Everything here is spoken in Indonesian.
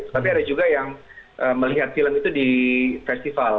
tapi ada juga yang melihat film itu di festival